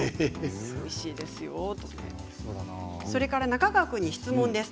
中川君に質問です。